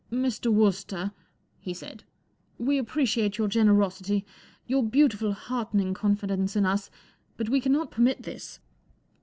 44 Mr. Wooster," he said, 44 we appreciate your generosity, your beautiful, heartening confidence in us, but we cannot permit this.'